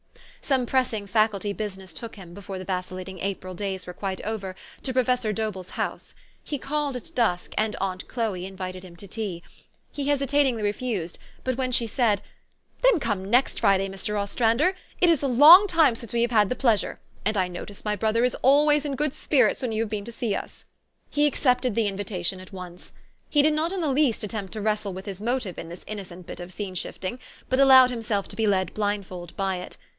Some pressing Faculty business took him, before the vacillating April days were quite over, to Pro fessor Dobell's house. He called at dusk, and aunt Chloe invited him to tea. He hesitatingly refused ; but when she said, "Then come next Friday, Mr. Ostrander: it is a long time since we have had the pleasure, and I notice my brother is always in good spirits when you have been to see us," he accepted the invitation at once. He did not in the least attempt to wrestle with his motive in this innocent bit of scene shifting, THE STORY OF AVIS. 75 but allowed himself to be led blindfold by it.